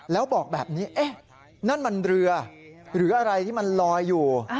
แล้วบอกแบบนี้นั่นมันเรือหรืออะไรที่มันลอยอยู่